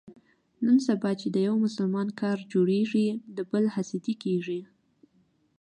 نن سبا چې د یو مسلمان کار جوړېږي، د بل حسدي کېږي.